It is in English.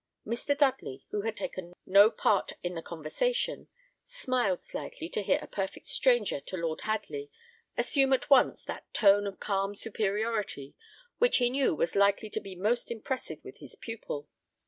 Mr. Dudley, who had taken no part in the conversation, smiled slightly to hear a perfect stranger to Lord Hadley assume at once that tone of calm superiority which he knew was likely to be most impressive with his pupil.